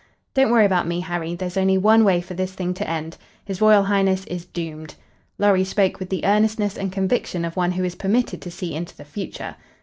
"Don't worry about me, Harry. There's only one way for this thing to end. His Royal Highness is doomed." Lorry spoke with the earnestness and conviction of one who is permitted to see into the future.